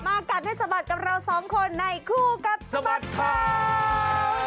มากับในสมัติกับเราสองคนในคู่กับสมัติกับเรา